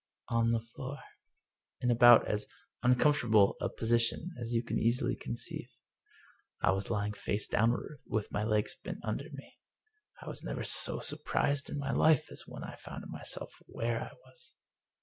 " On the floor. In about as uncomfortable a position as you can easily conceive. I was lying face downward, with my legs bent under me. I was never so surprised in my life as I was when I found myself where I was.